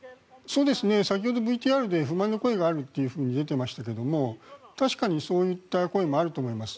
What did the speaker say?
先ほどＶＴＲで不満の声があると出ていましたが確かにそういった声もあると思います。